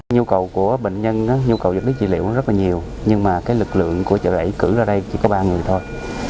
nhu cầu của bệnh nhân nhu cầu dẫn đến trị liệu rất là nhiều nhưng mà cái lực lượng của chợ rẫy cử ra đây chỉ có ba người thôi